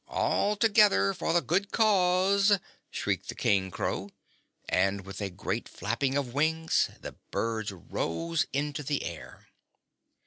"All together for the good caws!" shrieked the King Crow, and with a great flapping of wings the birds rose into the air.